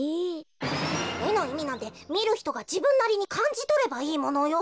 えのいみなんてみるひとがじぶんなりにかんじとればいいものよ。